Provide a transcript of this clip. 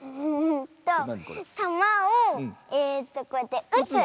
うんとたまをえとこうやってうつ。